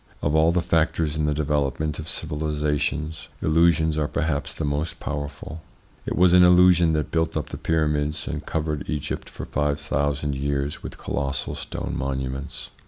Of all the factors in the development of civilisations, illusions are perhaps the most powerful. It was an illusion that built up the pyramids, and covered Egypt for five thousand years with colossal stone monuments.